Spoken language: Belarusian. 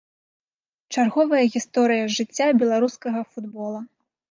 Чарговая гісторыя з жыцця беларускага футбола.